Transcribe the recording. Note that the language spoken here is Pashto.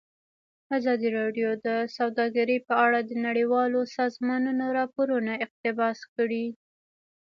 ازادي راډیو د سوداګري په اړه د نړیوالو سازمانونو راپورونه اقتباس کړي.